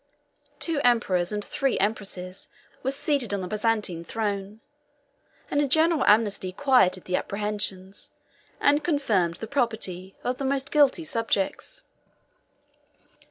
Two emperors and three empresses were seated on the Byzantine throne; and a general amnesty quieted the apprehensions, and confirmed the property, of the most guilty subjects.